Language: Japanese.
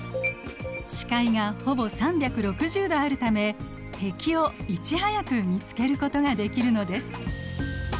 視界がほぼ３６０度あるため敵をいち早く見つけることができるのです。